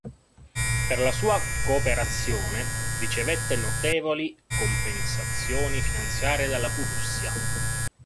Per la sua cooperazione ricevette notevoli compensazioni finanziarie dalla Prussia.